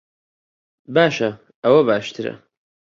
باشە، ئەوە باشترە؟